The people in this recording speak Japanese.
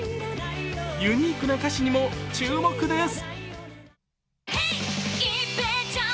ユニークな歌詞にも注目です。